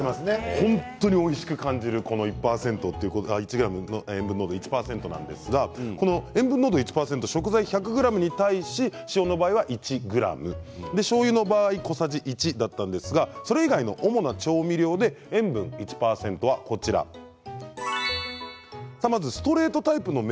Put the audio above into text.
本当においしく感じる１％なんですが塩分濃度１％食材１００ｇに対して塩の場合には１ｇしょうゆの場合は小さじ１なんですがそれ以外の主な調味料で塩分の１％はこちらです。